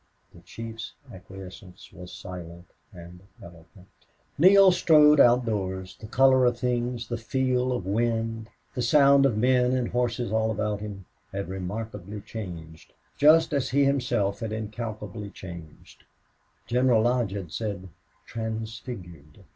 The chief's acquiescence was silent and eloquent. Neale strode outdoors. The color of things, the feel of wind, the sounds of men and horses all about him, had remarkably changed, just as he himself had incalculably changed; General Lodge had said transfigured!